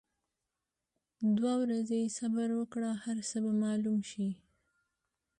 دوه ورځي صبر وکړه هرڅۀ به معلوم شي.